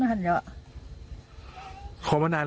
ทางของพระตร